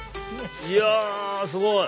いやすごい。